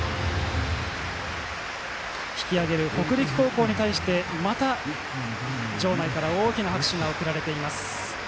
引き揚げる北陸高校に対してまた場内から大きな拍手が送られています。